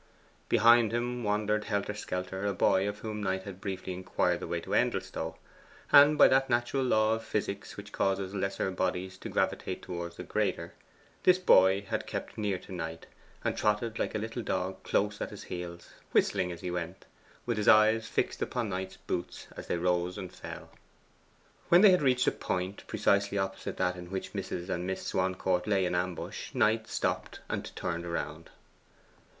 Behind him wandered, helter skelter, a boy of whom Knight had briefly inquired the way to Endelstow; and by that natural law of physics which causes lesser bodies to gravitate towards the greater, this boy had kept near to Knight, and trotted like a little dog close at his heels, whistling as he went, with his eyes fixed upon Knight's boots as they rose and fell. When they had reached a point precisely opposite that in which Mrs. and Miss Swancourt lay in ambush, Knight stopped and turned round.